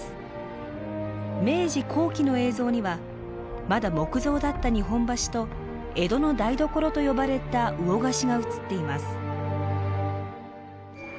明治後期の映像にはまだ木造だった日本橋と江戸の台所と呼ばれた魚河岸が映っています。